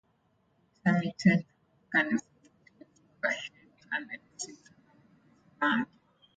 Intermittent volcanism continues on the Heard and McDonald Islands.